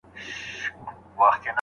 نو املا ښه اورې.